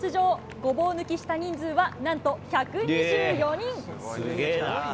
ごぼう抜きした人数はなんと１２４人。